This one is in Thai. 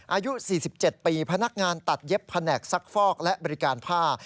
อายุ๔๗ปีพนักงานตัดเย็บแผนกซักฟอกและบริการผ้า